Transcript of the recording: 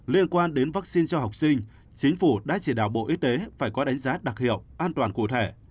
liên quan đến vaccine cho học sinh chính phủ đã chỉ đạo bộ y tế phải có đánh giá đặc hiệu an toàn cụ thể